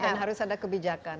dan harus ada kebijakan